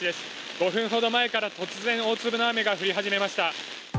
５分ほど前から突然、大粒の雨が降り始めました。